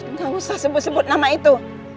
nggak usah sebut sebut nama itu